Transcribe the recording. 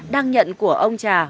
đang nhận của ông trà